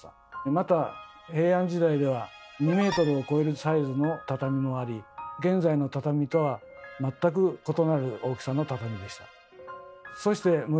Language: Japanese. また平安時代では２ｍを超えるサイズの畳もあり現在の畳とは全く異なる大きさの畳でした。